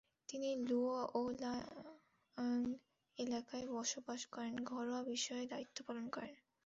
তিনি লুয়োয়াং এলাকায় বসবাস করেন, ঘরোয়া বিষয়ে দায়িত্ব পালন করে।